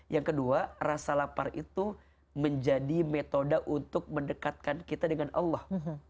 yang kedua rasa lapar itu menjadi metode untuk mendekatkan kita dengan allah